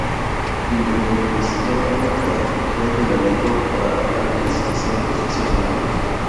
Inventó, pues, toda una pedagogía de la lengua para hablantes, sordos y sordomudos.